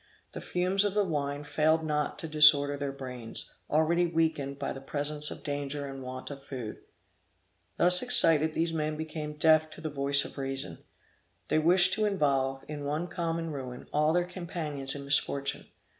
The fumes of the wine failed not to disorder their brains, already weakened by the presence of danger and want of food. Thus excited, these men became deaf to the voice of reason. They wished to involve, in one common ruin, all their companions in misfortune.